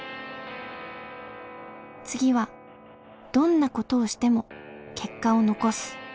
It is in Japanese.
「次はどんなことをしても結果を残す」。